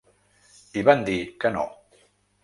I van dir que no.